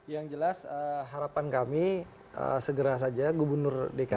yang jelas harapan kami segera saja gubernur dki jakarta